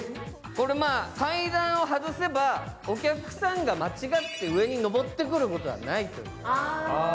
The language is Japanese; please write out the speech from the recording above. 階段を外せば、お客さんが間違って上に上ってくることはないと。